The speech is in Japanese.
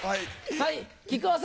はい。